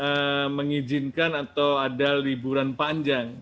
jadi kita harus menginginkan atau ada liburan panjang